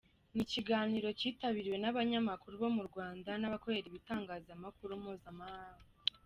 Ni ikiganiro cyitabiriwe n’abanyamakuru bo mu Rwanda n’abakorera ibitangazamakuru mpuzamahanga.